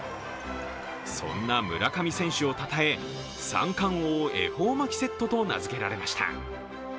そんな村上選手をたたえ三冠王恵方巻セットと名付けられました。